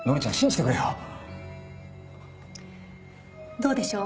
どうでしょう。